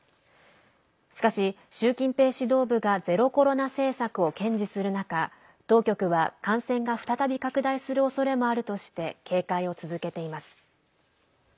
しかし、習近平指導部がゼロコロナ政策を堅持する中当局は感染が再び拡大するおそれもあるとして警戒を続けています。